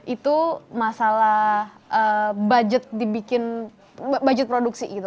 itu masalah budget dibikin budget produksi gitu